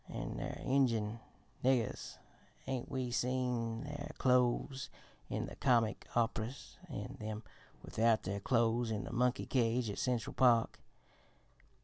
An' their Injun niggers ain't we seen their clothes in the comic op'ras an' them without their clothes in the monkey cage at Central Park?